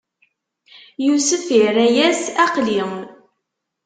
Yusef irra-yas: Aql-i!